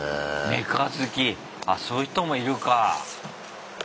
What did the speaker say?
メカ好きあっそういう人もいるか。